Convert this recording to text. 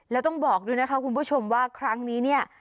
แล้วต้องบอกด้วยนะคะคุณผู้ชมว่าครั้งนี้เนี่ย